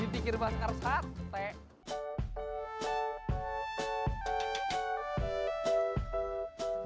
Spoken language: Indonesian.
ditikir bahas keras hati